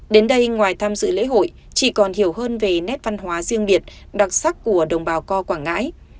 đến đây ngoài tham dự lễ hội chị còn hiểu hơn về nét văn hóa riêng biệt đặc sắc của đồng bào co quảng ngãi